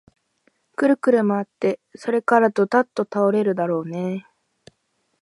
くるくるまわって、それからどたっと倒れるだろうねえ